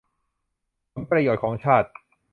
ผลประโยชน์ของชาติ